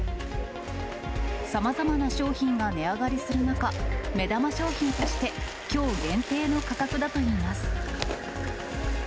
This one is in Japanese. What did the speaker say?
さまざまな商品が値上がりする中、目玉商品としてきょう限定の価格だといいます。